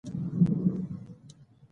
موټروان به په خپل لمانځه کې قصر کوي